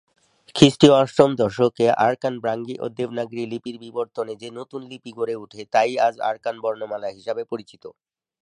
খ্রিষ্টীয় অষ্টম শতকে আরাকানে ব্রাহ্মী ও দেবনাগরী লিপির বিবর্তনে যে নতুন লিপি গড়ে ওঠে, তাই আজ রাখাইন বর্ণমালা হিসেবে পরিচিত।